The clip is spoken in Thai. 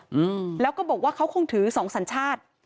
อืมแล้วก็บอกว่าเขาคงถือสองสัญชาติ